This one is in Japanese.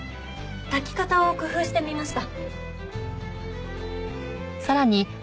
炊き方を工夫してみました。